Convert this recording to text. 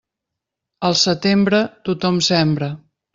Al setembre, tothom sembra.